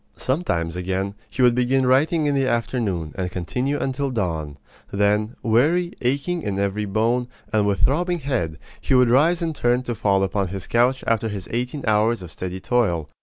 Sometimes, again, he would begin writing in the afternoon, and continue until dawn. Then, weary, aching in every bone, and with throbbing head, he would rise and turn to fall upon his couch after his eighteen hours of steady toil.